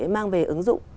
mang về ứng dụng